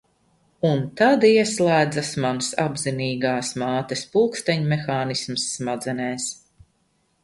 Un tad ieslēdzas mans apzinīgās mātes pulksteņmehānisms smadzenēs.